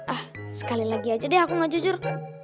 ah sekali lagi aja deh aku gak jujur